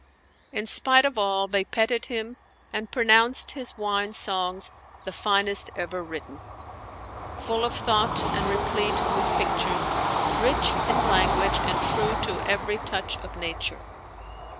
In spite of all, they petted him and pronounced his wine songs the finest ever written; full of thought and replete with pictures, rich in language and true to every touch of nature.